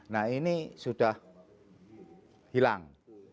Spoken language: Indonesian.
nah ini sudah hilang